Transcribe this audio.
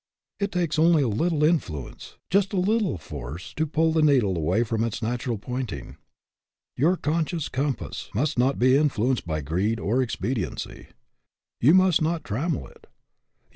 It takes only a little influence just a little force, to pull the needle away from its natural pointing. Your conscience compass must not be influenced by greed or expediency. You must not trammel it.